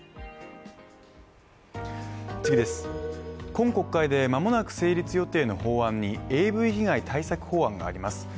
今国会でまもなく成立予定の法案にＡＶ被害対策法案があります